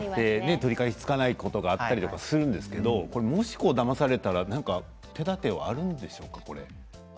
取り返しがつかないことがあったりもするんですけれどむしろ、だまされたら手だてはあるんですか？